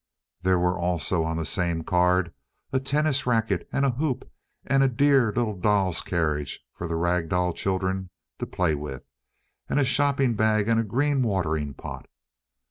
There were also on the same card a tennis racket and a hoop and a dear little doll's carriage for the rag doll children to play with, and a shopping bag and a green watering pot.